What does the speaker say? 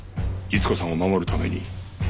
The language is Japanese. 逸子さんを守るために。